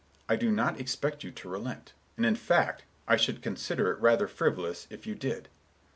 I do not expect you to relent, and, in fact, I should consider it rather frivolous if you did.